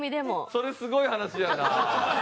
それすごい話やな。